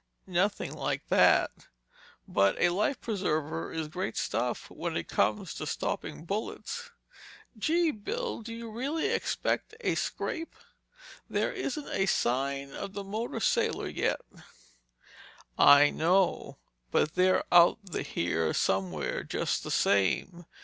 "Nothing like that—but a life preserver is great stuff when it comes to stopping bullets." "Gee, Bill, do you really expect a scrap? There isn't a sign of the motor sailor yet." "I know—but they're out here somewhere, just the same.